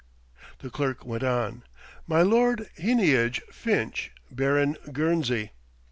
The Clerk went on. "My Lord Heneage Finch, Baron Guernsey."